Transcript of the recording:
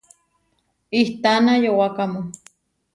¿Itána yowákamu?